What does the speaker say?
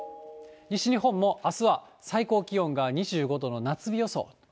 西日本もあすは最高気温が２５度の夏日予想。